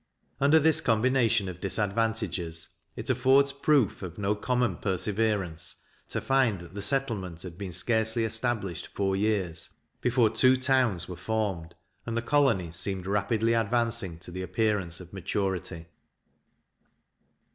Under this combination of disadvantages, it affords proof of no common perseverance to find, that the settlement had been scarcely established four years, before two towns were formed, and the colony seemed rapidly advancing to the appearance of maturity.